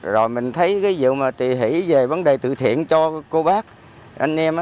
rồi mình thấy cái dựng mà tùy hỷ về vấn đề tự thiện cho cô bác anh em